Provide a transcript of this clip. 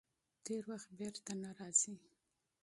تېر وخت بېرته نه راځي.